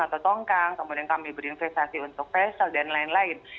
atau tongkang kemudian kami berinvestasi untuk facel dan lain lain